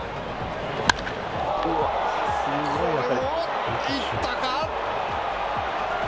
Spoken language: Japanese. これもいったか？